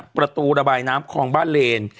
ประตูระบายน้ำคลองบ้านเลน